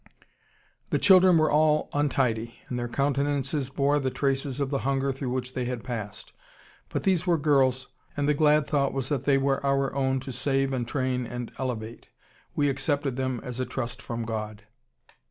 "The children were all untidy, and their countenances bore the traces of the hunger through which they had passed.... But these were girls, and the glad thought was that they were our own to save and train and elevate. We accepted them as a trust from God.